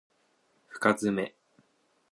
深爪